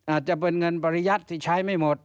อาจจะเป็นเงินปริยัติที่ใช้ไม่หมด